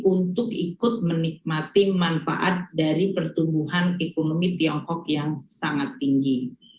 untuk ikut menikmati manfaat dari pertumbuhan ekonomi tiongkok yang sangat tinggi